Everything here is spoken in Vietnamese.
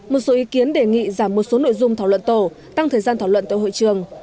một số ý kiến đề nghị giảm một số nội dung thảo luận tổ tăng thời gian thảo luận tại hội trường